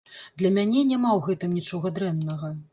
Для мяне няма ў гэтым нічога дрэннага.